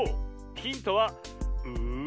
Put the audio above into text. ⁉ヒントはうう。